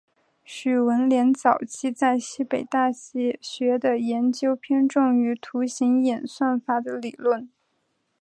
许闻廉早期在西北大学的研究偏重于图形演算法的理论。